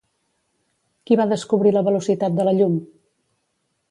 Qui va descobrir la velocitat de la llum?